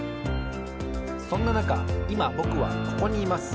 そんななかいまぼくはここにいます。